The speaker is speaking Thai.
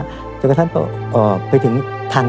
ลดคตันอย่าไปแล้ว